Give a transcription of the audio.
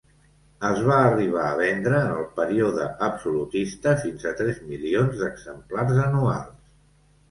Es va arribar a vendre en el període absolutista fins a tres milions d’exemplars anuals.